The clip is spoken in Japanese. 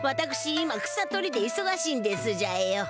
今草取りでいそがしいんですじゃよ。